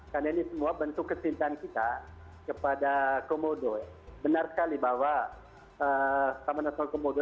karena ini semua bentuk kesintahan kita kepada komodo benar sekali bahwa sama nasional komodo